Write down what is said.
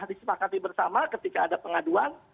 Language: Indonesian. disepakati bersama ketika ada pengaduan